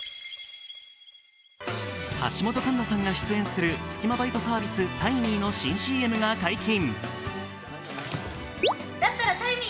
橋本環奈さんが出演するスキマバイトサービスＴｉｍｅｅの新ＣＭが解禁。